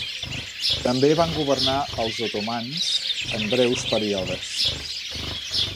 També van governar els Ottomans en breus períodes.